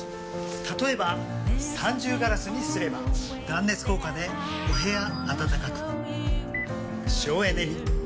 例えば三重ガラスにすれば断熱効果でお部屋暖かく省エネに。